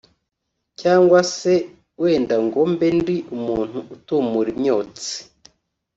cyangwa se wenda ngo mbe ndi umuntu utumura imyonsi